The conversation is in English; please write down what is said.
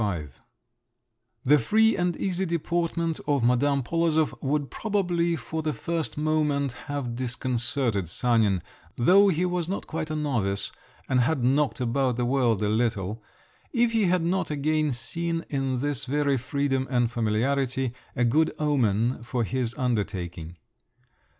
XXXV The free and easy deportment of Madame Polozov would probably for the first moment have disconcerted Sanin—though he was not quite a novice and had knocked about the world a little—if he had not again seen in this very freedom and familiarity a good omen for his undertaking.